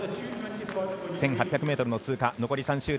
１８００ｍも通過。